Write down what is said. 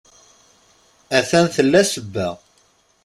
A-t-an tella ssebba.